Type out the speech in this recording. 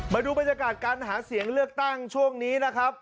มาดูบรรยากาศการหาเสียงเลือกตั้งช่วงนี้นะครับ